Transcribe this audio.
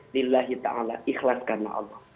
lillahi ta'ala ikhlas karena allah